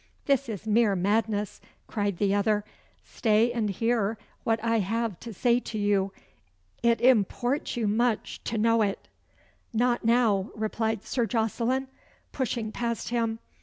"This is mere madness," cried the other. "Stay and hear what I have to say to you. It imports you much to know it." "Not now," replied Sir Jocelyn, pushing past him.